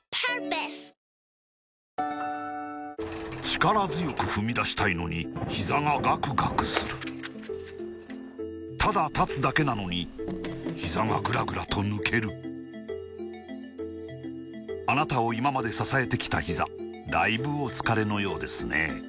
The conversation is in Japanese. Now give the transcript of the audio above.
力強く踏み出したいのにひざがガクガクするただ立つだけなのにひざがグラグラと抜けるあなたを今まで支えてきたひざだいぶお疲れのようですね